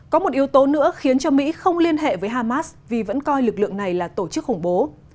có một yếu tố nữa khiến cho mỹ không liên hệ với hamas vì vẫn coi lực lượng này là tổ chức khủng bố